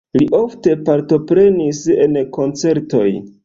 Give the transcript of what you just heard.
Li ofte partoprenis en koncertoj.